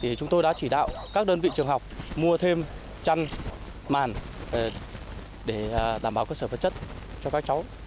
thì chúng tôi đã chỉ đạo các đơn vị trường học mua thêm chăn màn để đảm bảo cơ sở vật chất cho các cháu